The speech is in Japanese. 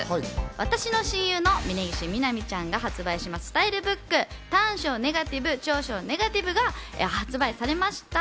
私の親友の峯岸みなみちゃんが発売します、スタイルブック『短所ネガティブ長所ネガティブ』が発売されました。